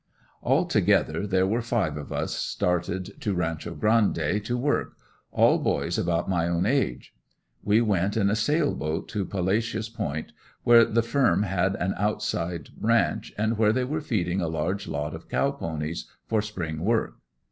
Altogether there were five of us started to Rancho Grande to work all boys about my own age; we went in a sail boat to Palacious Point, where the firm had an outside ranch and where they were feeding a large lot of cow ponies for spring work.